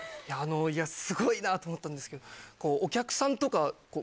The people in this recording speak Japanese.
いやすごいなと思ったんですけど。